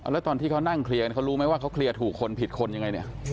แล้วตอนที่เขานั่งเคลียร์กันเขารู้ไหมว่าเขาเคลียร์ถูกคนผิดคนยังไงเนี่ย